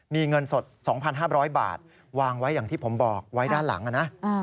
มีเงินสด๒๕๐๐บาทวางไว้อย่างที่ผมบอกไว้ด้านหลังนะ